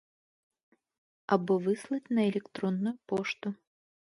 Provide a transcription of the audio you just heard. Або выслаць на электронную пошту.